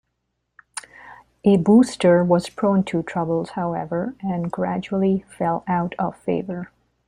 A booster was prone to troubles, however, and gradually fell out of favor.